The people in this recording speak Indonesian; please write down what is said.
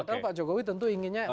padahal pak jokowi tentu inginnya